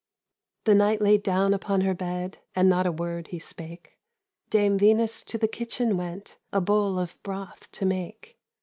The knight lay down upon her bed, And not a word he spake; Dame Venus to the kitchen went A bowl of broth to make.